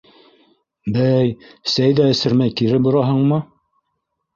Бәй, сәй ҙә эсермәй кире бораһыңмы?